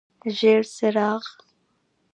ژیړ څراغ: